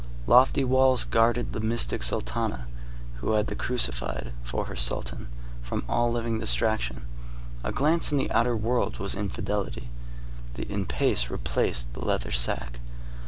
Lofty walls guarded the mystic sultana, who had the crucified for her sultan, from all living distraction. A glance on the outer world was infidelity. The in pace replaced the leather sack.